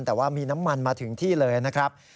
แต่ว่ามีน้ำมันมาถึงที่เลยนะครับ